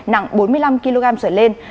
nặng bốn mươi năm kg trở lên